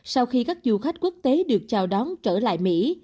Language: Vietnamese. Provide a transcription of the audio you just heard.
sau khi các du khách quốc tế được chào đón trở lại mỹ